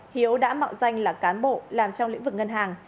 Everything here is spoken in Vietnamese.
hiếu đã mạo danh là cán bộ làm trong lĩnh vực ngân hàng